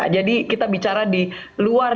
jadi kita bicara di luar